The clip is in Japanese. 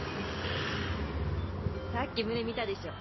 さっき胸見たでしょ？